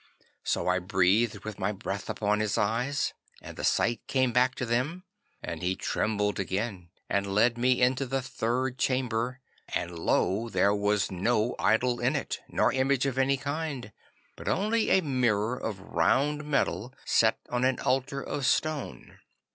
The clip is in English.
'So I breathed with my breath upon his eyes, and the sight came back to them, and he trembled again, and led me into the third chamber, and lo! there was no idol in it, nor image of any kind, but only a mirror of round metal set on an altar of stone.